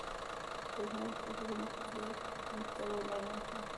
تر نورو خلکو دمخه زیارت ته ورننوتم.